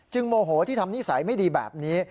โมโหที่ทำนิสัยไม่ดีแบบนี้